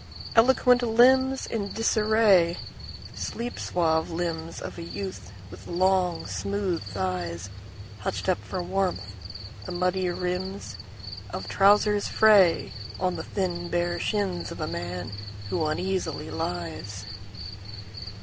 Eloquent limbsIn disarraySleep suave limbs of a youth with long, smooth thighsHutched up for warmth; the muddy rimsOf trousers frayOn the thin bare shins of a man who uneasily lies.